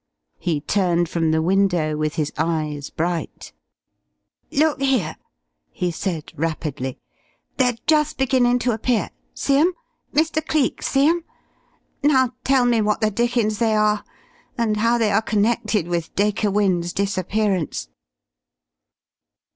He turned from the window with his eyes bright. "Look here," he said, rapidly. "They're just beginnin' to appear. See 'em? Mr. Cleek, see 'em? Now tell me what the dickens they are and how they are connected with Dacre Wynne's disappearance."